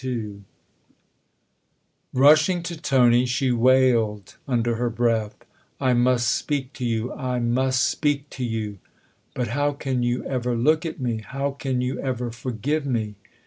XXXII RUSHING to Tony, she wailed under her breath :" I must speak to you I must speak to you ! But how can you ever look at me ? how can you ever forgive me